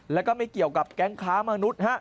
แล้วก็ไม่เกี่ยวกับแก๊งค้ามนุษย์